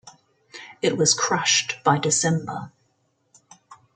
It was crushed by December.